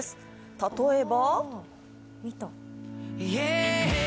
例えば。